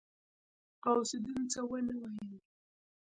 غوث الدين څه ونه ويل.